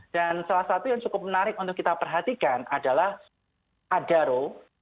dan salah satu yang cukup menarik untuk kita perhatikan adalah adaro